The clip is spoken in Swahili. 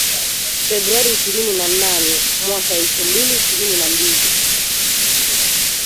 Februari ishirni na nane mwaka elfu mbili ishirini na mbili